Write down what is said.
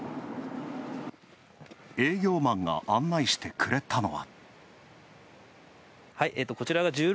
営業マンが案内してくれたのは。